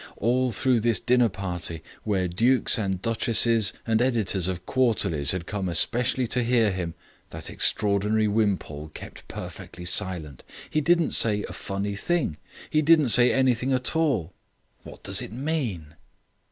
All through this dinner party, where dukes and duchesses and editors of Quarterlies had come especially to hear him, that extraordinary Wimpole kept perfectly silent. He didn't say a funny thing. He didn't say anything at all. What does it mean?"